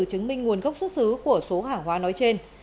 chứng minh nguồn gốc xuất xứ của số hàng hóa nói trên